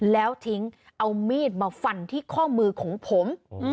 แล้วทิ้งเอามีดมาฟันที่ข้อมือของผม